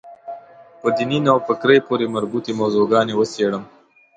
په دیني نوفکرۍ پورې مربوطې موضوع ګانې وڅېړم.